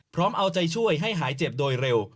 พร้อมเอาใจช่วยให้หายเจ็บโดยเร็ว